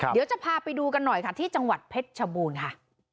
เดี๋ยวจะพาไปดูกันหน่อยค่ะที่จังหวัดเพชรชบูรณ์ค่ะ